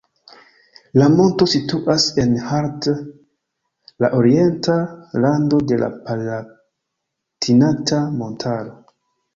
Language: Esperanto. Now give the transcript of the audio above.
La monto situas en Haardt, la orienta rando de la Palatinata montaro.